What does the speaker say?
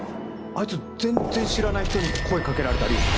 あいつ全然知らない人に声掛けられたり。